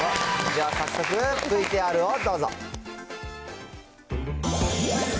では早速、ＶＴＲをどうぞ。